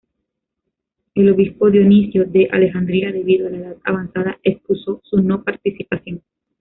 El obispo Dionisio de Alejandría, debido a la edad avanzada, excusó su no participación.